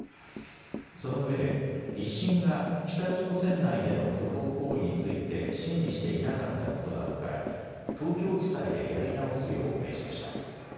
そのうえで１審が北朝鮮内での不法行為について審理していなかったことなどから東京地裁でやり直すよう命じました。